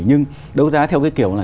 nhưng đấu giá theo cái kiểu là